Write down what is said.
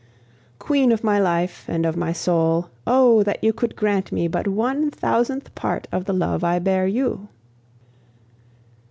Queen of my life and of my soul, oh! that you could grant me but one thousandth part of the love I bear you!